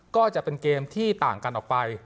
ก็จะเป็นเกมที่ต่างกันออกไป